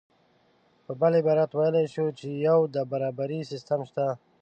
په بل عبارت ویلی شو چې یو د برابرۍ سیستم شته